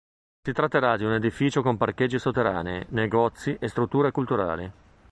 Si tratterà di un edificio con parcheggi sotterranei, negozi e strutture culturali.